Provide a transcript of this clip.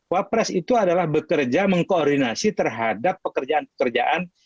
wapres itu adalah bekerja mengkoordinasi terhadap pekerjaan pekerjaan